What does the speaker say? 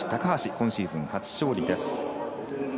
今シーズン初勝利です。